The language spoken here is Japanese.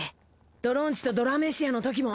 ドロンチとドラメシヤのときも。